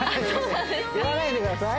言わないでください